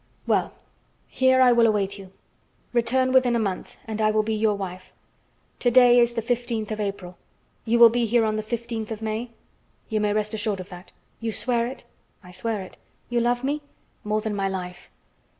Well, here I will await you. Return within a month, and I will be your wife. To day is the fifteenth of April. You will be here on the fifteenth of May?" "You may rest assured of that." "You swear it?" "I swear it." "You love me?" "More than my life."